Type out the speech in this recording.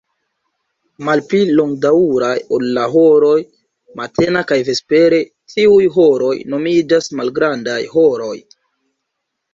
Malpli longdaŭraj ol la "horoj" matena kaj vespere, tiuj "horoj" nomiĝas malgrandaj "horoj".